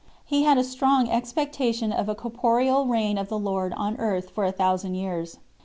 He had a strong expecta tion of a corporeal reign of the Lord on earth for a thousand years.